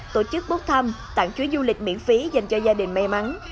tổ chức bốt thăm tặng chuối du lịch miễn phí dành cho gia đình may mắn